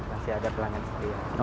masih ada pelanggan setia